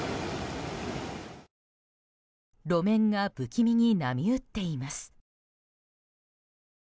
路面が不気味に波打っています。